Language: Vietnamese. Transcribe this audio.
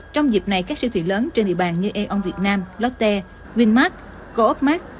trong dịp này các siêu thị lớn trên địa bàn như e on việt nam lotte winmart coopmart